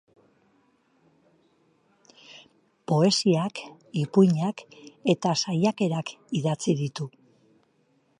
Poesiak, ipuinak eta saiakerak idatzi ditu.